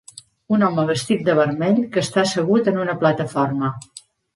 Un home vestit de vermell que està segut en una plataforma.